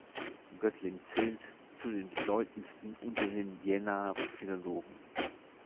Göttling zählt „zu den bedeutendsten unter den Jenaer Philologen“.